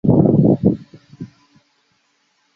多重途径研究也可用于分析人们拆穿谎言的成功率。